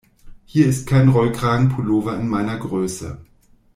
Hier ist kein Rollkragenpullover in meiner Größe.